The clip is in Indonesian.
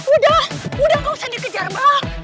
udah udah kau sendiri kejar abah